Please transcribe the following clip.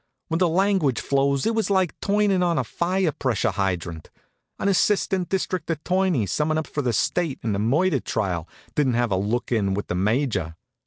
When the language flows it was like turnin' on a fire pressure hydrant. An assistant district attorney summin' up for the State in a murder trial didn't have a look in with the Major.